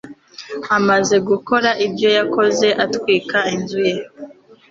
Amaze gukora ibyo yakoze atwika inzu ye